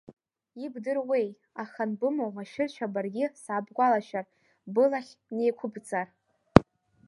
Ибдыруеи, аха анбымоу машәыршәа баргьы саабгәалашәар, былахь неиқәыбҵар.